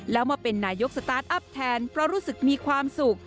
แล้วมาเป็นนายกสตาร์ทอัพแทนเพราะรู้สึกมีความสุข